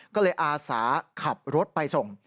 ก็เลยอาสาขับรถไปส่ง